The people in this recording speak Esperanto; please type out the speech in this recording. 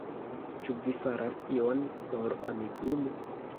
Ĉu vi faras ion por Amikumu?